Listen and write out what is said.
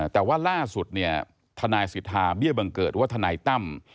แต่ว่าล่าสุดเนี่ยทนายสิทธาเบี้ยบังเกิดหรือว่าทนายตั้ม